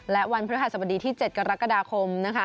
และวันพระคาสบดีที่๗กรกฎาคม